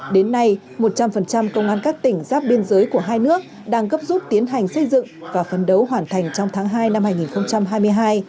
đến nay một trăm linh công an các tỉnh giáp biên giới của hai nước đang gấp rút tiến hành xây dựng và phấn đấu hoàn thành trong tháng hai năm hai nghìn hai mươi hai